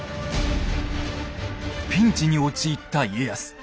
ピンチに陥った家康。